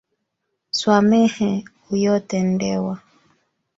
Swamehe uyotendewa.